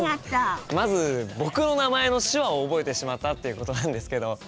まず僕の名前の手話を覚えてしまったということなんですけどいや